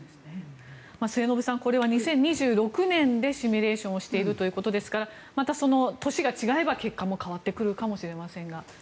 末延さんこれは２０２６年でシミュレーションをしているということですからまた、年が違えば結果も変わってくるかもしれませんが。